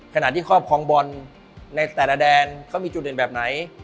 ขณะที่ครอบครองบอลในแต่ละแดนเขามีจุดเด่นแบบไหน